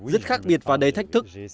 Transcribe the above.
rất khác biệt và đầy thách thức